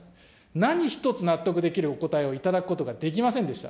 何一つ納得できるお答えを頂くことができませんでした。